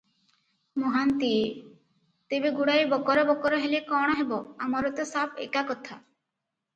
ମହାନ୍ତିଏ- ତେବେ ଗୁଡାଏ ବକର ବକର ହେଲେ କଣ ହେବ, ଆମର ତ ସାଫ ଏକା କଥା ।